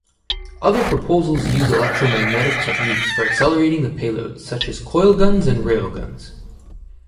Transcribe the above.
Other proposals use electromagnetic techniques for accelerating the payload, such as coilguns and railguns.